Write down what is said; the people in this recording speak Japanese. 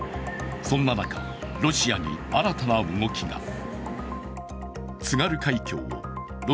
そんな中ロシアに新たな動きが。